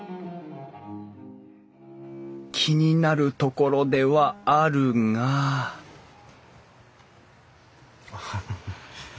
気になるところではあるがアハハハ。